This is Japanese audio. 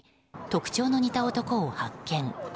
特徴の似た男を発見。